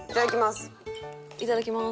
いただきます。